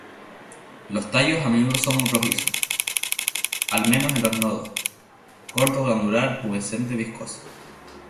Los tallos a menudo son rojizos, al menos en los nodos, corto glandular-pubescentes, viscosa.